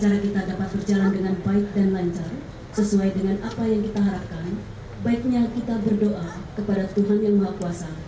saya berdoa kepada tuhan yang maha kuasa